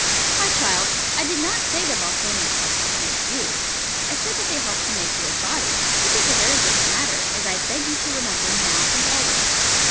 My child, I did not say that volcanos helped to make you. I said that they helped to make your body; which is a very different matter, as I beg you to remember, now and always.